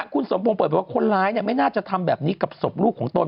คุณสมพงษ์เปิดไปว่าคนร้ายไม่น่าจะทำแบบนี้กับศพลูกของตน